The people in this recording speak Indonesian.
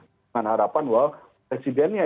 dengan harapan bahwa presidennya